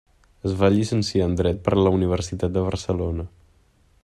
Es va llicenciar en Dret per la Universitat de Barcelona.